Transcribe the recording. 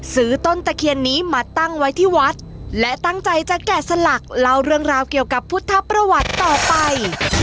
ต้นตะเคียนนี้มาตั้งไว้ที่วัดและตั้งใจจะแกะสลักเล่าเรื่องราวเกี่ยวกับพุทธประวัติต่อไป